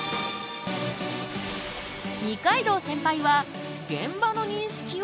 二階堂センパイは「現場の認識をかえる」。